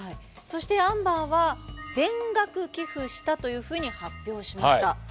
そしてアンバーは「全額寄付した」というふうに発表をしました